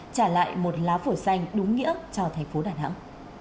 trả lại một lá phổi xanh đúng nghĩa cho thành phố đà nẵng